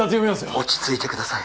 落ち着いてください